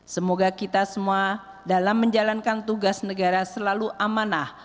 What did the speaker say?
semoga kita semua dalam menjalankan tugas negara selalu amanah